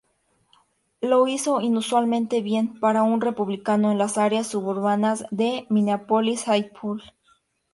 Lo hizo inusualmente bien para un republicano en las áreas suburbanas de Minneapolis-Saint Paul.